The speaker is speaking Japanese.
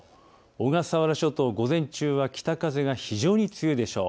小笠原諸島、午前中は北風が非常に強いでしょう。